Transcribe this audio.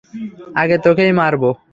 আগে তোকেই মারব।